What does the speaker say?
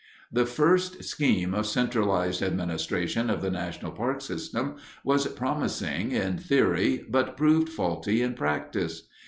The first scheme of centralized administration of the national park system was promising in theory but proved faulty in practice.